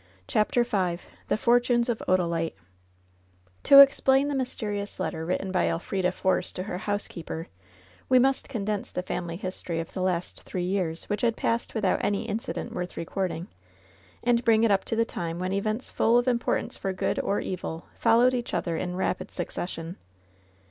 CHAPTER V THB FOBTIJNES OF ODAUTB To BXPLAur the mysterious letter written by Elfrida Force to her housekeeper, we must condense the family history of the last three years, which had passed without LOVE'S BITTEREST CUP 88 any incident worth recording, and bring it up to the time when events full of importance for good or evil followed each other in rapid succession.